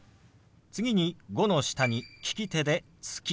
次「５」の下に利き手で「月」。